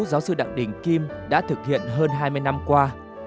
giáo sư đặng đình kim đã thực hiện hơn hai mươi năm qua